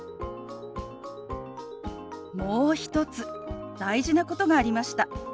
もう一つ大事なことがありました。